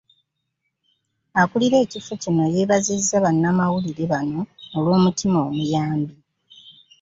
Akulira ekifo kino yeebazizza bannamawulire bano olw'omutima omuyambi .